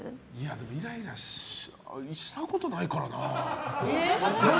でもイライラしたことないからなあ。